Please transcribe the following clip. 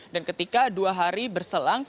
dan ketika dua hari berselang